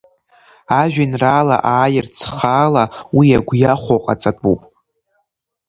Ажәеинраала ааирц хаала, уи агә иахәо ҟаҵатәуп.